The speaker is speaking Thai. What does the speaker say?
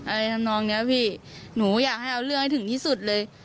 ทำนองเนี้ยพี่หนูอยากให้เอาเรื่องให้ถึงที่สุดเลย